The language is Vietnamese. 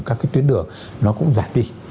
các cái tuyến đường nó cũng giảm đi